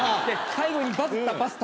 最後に「バズったパスタ」